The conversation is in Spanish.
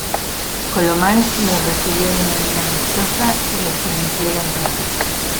Colomán los recibió de manera amistosa y les permitió la entrada.